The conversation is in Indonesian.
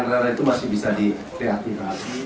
tram tram itu masih bisa dikreatifkan